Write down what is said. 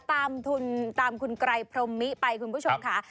ตามทุนตามคุณไกรพรมมิไปคุณผู้ชมค่ะ